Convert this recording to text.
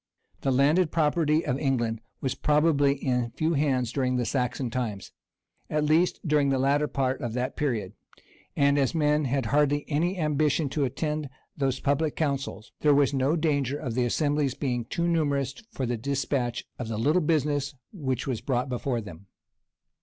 The landed property of England was probably in few hands during the Saxon times, at least, during the latter part of that period; and, as men had hardly any ambition to attend those public councils, there was no danger of the assembly's becoming too numerous for the despatch of the little business which was brought before them.